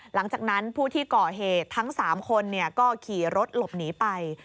หลังจากนั้นผู้ที่ก่อเหตุทั้ง๓คนก็ขี่รถหลบหนีไป